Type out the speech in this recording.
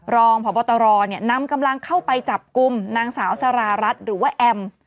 รองพบตรนำกำลังเข้าไปจับกลุ่มนางสาวสารารัฐหรือว่าแอม